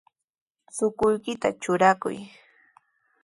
Chukuykita trurakuy.